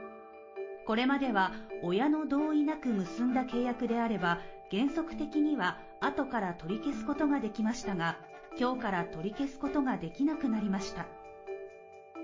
これまでは、親の同意なく結んだ契約であれば原則的にはあとから取り消すことができましたが今日から、取り消すことができなくなりました。